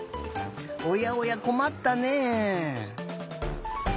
おやおやこまったねえ。